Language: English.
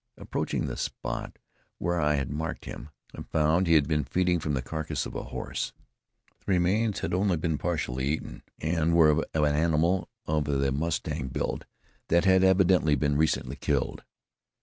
Approaching the spot where I had marked him I found he had been feeding from the carcass of a horse. The remains had been only partly eaten, and were of an animal of the mustang build that had evidently been recently killed.